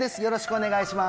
お願いします